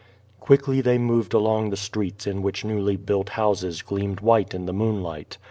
Quickly they moved along the streets in which newly built houses gleamed white in the moonlight.